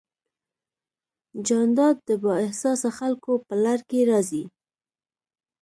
جانداد د بااحساسه خلکو په لړ کې راځي.